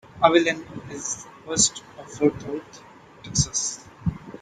Abilene is west of Fort Worth, Texas.